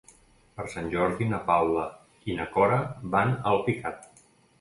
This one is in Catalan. Per Sant Jordi na Paula i na Cora van a Alpicat.